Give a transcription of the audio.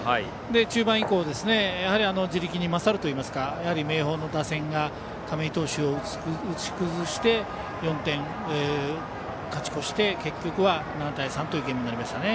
中盤以降地力で勝るといいますか明豊の打線が亀井投手を打ち崩して勝ち越して結局は７対３というゲームになりましたね。